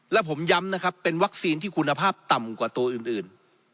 และผมย้ำนะครับเป็นวัคซีนที่คุณภาพต่ำกว่าตัวอื่น